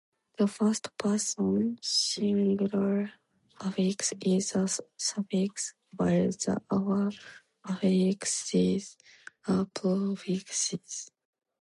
The first person singular affix is a suffix while the other affixes are prefixes.